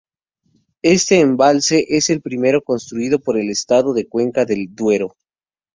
Este embalse es el primero construido por el Estado en la cuenca del Duero.